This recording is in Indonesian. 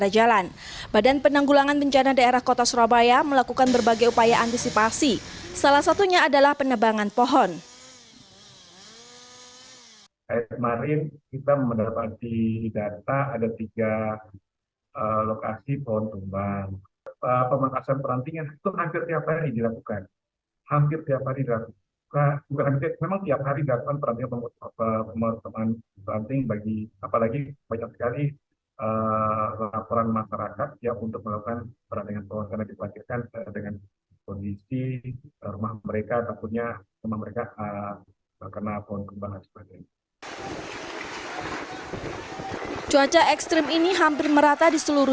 juwaja ekstrim ini hampir merata